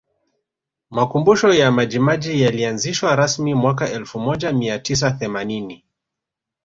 Makumbusho ya Majimaji yalianzishwa rasmi mwaka elfu moja mia tisa themanini